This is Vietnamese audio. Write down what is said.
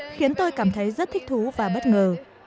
khiến tôi cảm thấy rất thích thú và bất ngờ